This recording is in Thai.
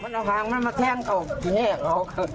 มันเอาหางมันมาแท้งออกทีนี้ครับ